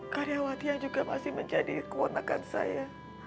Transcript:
karyawati yang juga masih menjadi kewenakan saya